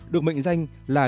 được mệnh danh là